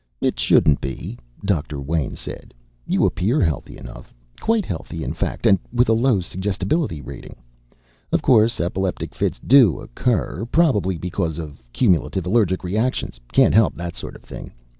"It shouldn't be," Doctor Wayn said. "You appear healthy enough. Quite healthy, in fact, and with a low suggestibility rating. Of course, epileptic fits do occur, probably because of cumulative allergic reactions. Can't help that sort of thing.